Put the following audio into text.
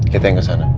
kita yang kesana